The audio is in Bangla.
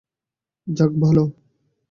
যাক, ভালো।